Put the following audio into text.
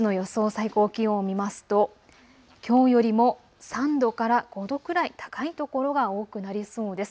最高気温を見ますときょうよりも３度から５度くらい高い所が多くなりそうです。